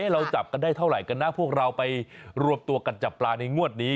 เราจับกันได้เท่าไหร่กันนะพวกเราไปรวบตัวกันจับปลาในงวดนี้